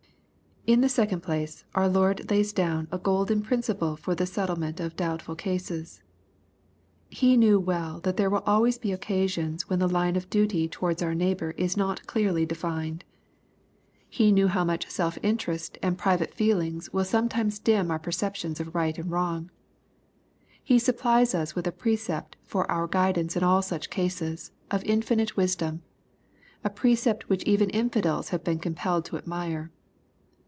In the second place, our Lord lays down a golden prin mple for the settlement of doubtful cases. He knew well that there will always be occasions when the line of duty towards our neighbor is not clearly defined. He knew 184 EXPOSITORY THOUGHTS. how much self interest and private feelings will some times dim our perceptions of right and wrong. He supplies us with a precept for our guidance in all such cases, of infinite wisdom ; a precept which even infidels have been compelled to admire.